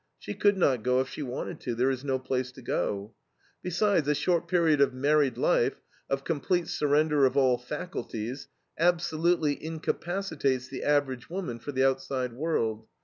She could not go, if she wanted to; there is no place to go. Besides, a short period of married life, of complete surrender of all faculties, absolutely incapacitates the average woman for the outside world.